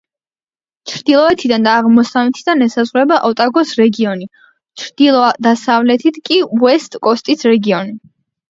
ჩრდილოეთიდან და აღმოსავლეთიდან ესაზღვრება ოტაგოს რეგიონი, ჩრდილო-დასავლეთით კი უესტ-კოსტის რეგიონი.